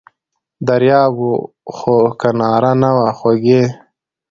دریاب و خو کناره نه وه خوږې!